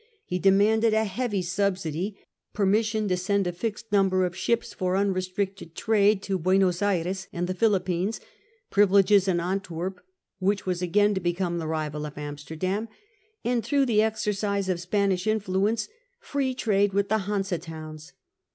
He de manded a heavy subsidy, permission to send a fixed number of ships for unrestricted trade to Buenos Ayres and the Philippines ; privileges in Antwerp, which was again to become the rival of Amsterdam ; and, through the exercise of Spanish influence, free trade with the Hanse towns.